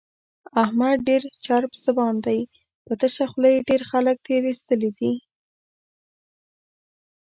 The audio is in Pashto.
احمد ډېر چرب زبان دی، په تشه خوله یې ډېر خلک تېر ایستلي دي.